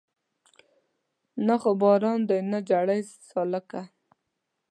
نه خو باران دی نه جړۍ سالکه